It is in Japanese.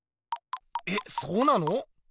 えっそうなの？